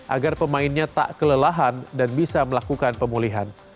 agar pemainnya tak kelelahan dan bisa melakukan pemulihan